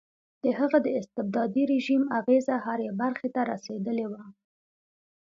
د هغه د استبدادي رژیم اغېزه هرې برخې ته رسېدلې وه.